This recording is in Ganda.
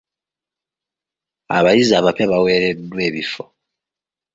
Abayizi abapya baweereddwa ebifo.